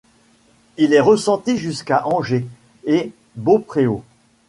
Il est ressenti jusqu'à Angers et Beaupréau.